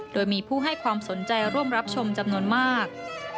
โดยมีผู้ให้ความสนใจร่วมรับชมจำนวนมาก